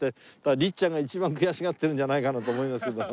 律ちゃんが一番悔しがってるんじゃないかなと思いますけども。